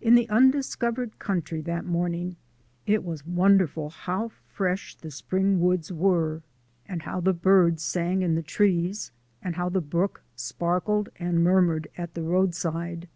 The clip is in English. In the Undiscovered Country that morning it was wonderful how fresh the spring woods were, and how the birds sang in the trees, and how the brook sparkled and murmured at the roadside.